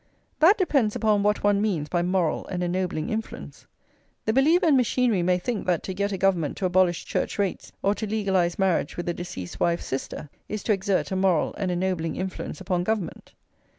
That depends upon what one means by moral and ennobling influence. The believer in machinery may think that to get a Government to abolish Church rates or to legalise marriage with a deceased wife's sister is to exert a moral and ennobling influence [xx] upon Government.